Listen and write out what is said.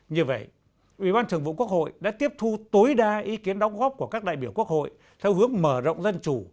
như vậy ủy ban thường vụ quốc hội đã tiếp thu tối đa ý kiến đóng góp của các đại biểu quốc hội theo hướng mở rộng dân chủ